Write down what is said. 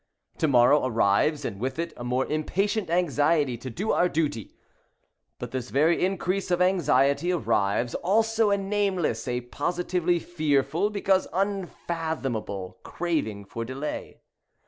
To morrow arrives, and with it a more impatient anxiety to do our duty, but with this very increase of anxiety arrives, also, a nameless, a positively fearful, because unfathomable, craving for delay.